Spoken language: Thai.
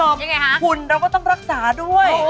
ยังไงคะหุ่นเราก็ต้องรักษาด้วย